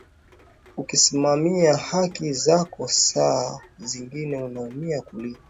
ukisimamia haki zako saa zingine unaumia kuliko